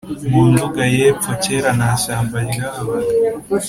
mu Nduga y’ epfo kera nta shyamba ryahabaga;